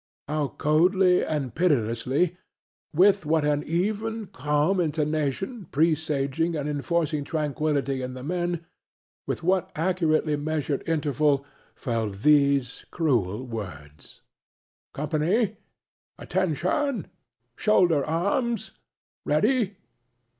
How coldly and pitilessly with what an even, calm intonation, presaging, and enforcing tranquillity in the men with what accurately measured intervals fell those cruel words: "Attention, company!... Shoulder arms!... Ready!...